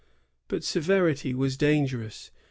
But severity was dangerous.